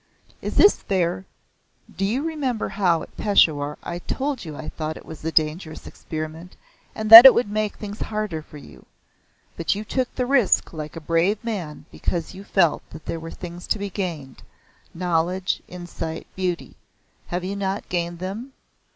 "Is this fair? Do you remember how at Peshawar I told you I thought it was a dangerous experiment, and that it would make things harder for you. But you took the risk like a brave man because you felt there were things to be gained knowledge, insight, beauty. Have you not gained them?"